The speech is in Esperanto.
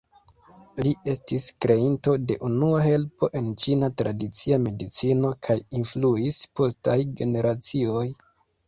Li ests kreinto de unua helpo en Ĉina tradicia medicino kaj influis postaj generacioj.